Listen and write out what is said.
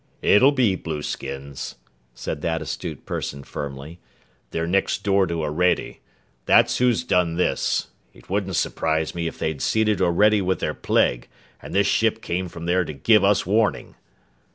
"It'll be blueskins," said that astute person firmly. "They're next door to Orede. That's who's done this. It wouldn't surprise me if they'd seeded Orede with their plague, and this ship came from there to give us warning!"